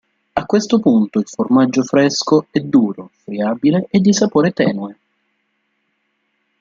A questo punto il formaggio fresco è duro, friabile e di sapore tenue.